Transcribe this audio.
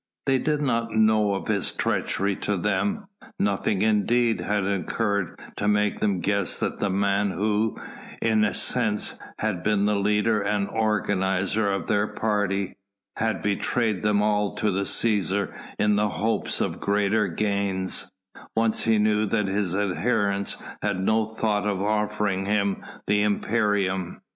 They did not know of his treachery to them; nothing, indeed, had occurred to make them guess that the man who, in a sense, had been the leader and organiser of their party, had betrayed them all to the Cæsar in the hopes of greater gains, once he knew that his adherents had no thought of offering him the imperium.